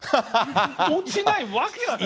落ちないわけがない。